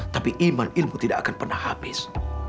tapi iman ilmu tidak akan pernah habis